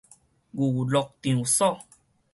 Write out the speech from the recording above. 娛樂場所